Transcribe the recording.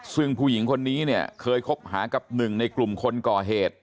ซึ่งผู้หญิงคนนี้เนี่ยเคยคบหากับหนึ่งในกลุ่มคนก่อเหตุ